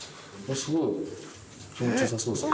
すごい気持ちよさそうですね。